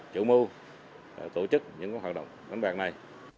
chủ mưu tổ chức những hoạt động đánh bạc này